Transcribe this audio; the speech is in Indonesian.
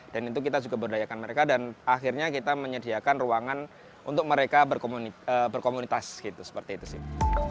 dan itu kita juga berdayakan mereka dan akhirnya kita menyediakan ruangan untuk mereka berkomunitas seperti itu sih